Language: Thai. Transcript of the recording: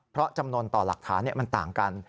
เพราะจำนวนต่อหลักฐานมันต่างกัน